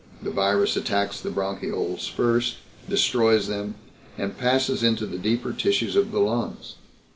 "The virus attacks the bronchioles first, destroys them, and passes into the deeper tissues of the lungs.